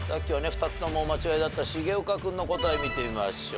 ２つともお間違えだった重岡君の答え見てみましょう。